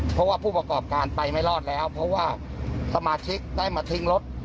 เพราะว่าผู้ประกอบการไปไม่รอดแล้วเพราะว่าสมาชิกได้มาทิ้งรถ